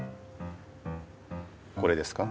これですか？